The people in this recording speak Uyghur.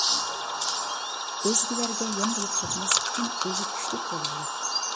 ئۆزگىلەرگە يەم بولۇپ كەتمەسلىك ئۈچۈن ئۆزى كۈچلۈك بولغۇلۇق.